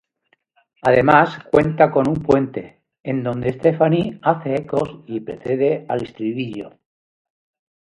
Además, cuenta con un puente, en donde Stefani hace ecos y precede al estribillo.